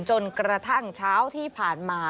จนกระทั่งเช้าที่ผ่านมา